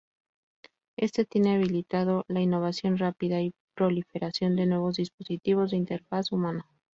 Éste tiene habilitado la innovación rápida y proliferación de nuevos dispositivos de interfaz humana.